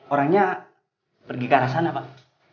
orangnya pergi ke arah sana pak